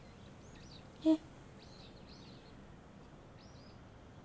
えっ？